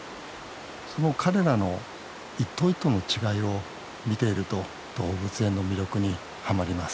その彼らの一頭一頭の違いを見ていると動物園の魅力にはまります